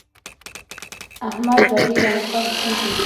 احمد بډې رانغښتې دي.